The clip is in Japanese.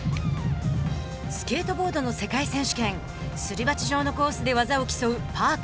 スケートボードの世界選手権すり鉢状のコースで技を競うパーク。